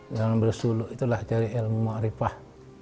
jalan bersuluk itulah cari ilmu ma'rifah